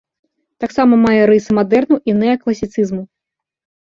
Таксама мае рысы мадэрну і неакласіцызму.